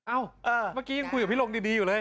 เมื่อกี้ยังคุยกับพี่ลงดีอยู่เลย